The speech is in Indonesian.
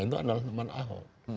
itu adalah teman ahok